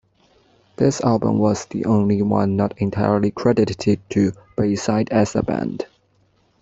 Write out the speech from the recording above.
This album was the only one not entirely credited to Bayside as a band.